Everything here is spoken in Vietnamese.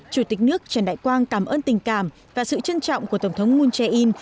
chủ tịch nước trần đại quang cảm ơn tình cảm và sự trân trọng của tổng thống moon jae in